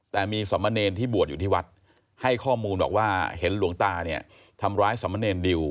แต่มีสมเนรที่บวชอยู่ที่วัดให้ข้อมูลบอกว่าเห็นหลวงตาเนี่ยทำร้ายสมเนรดิว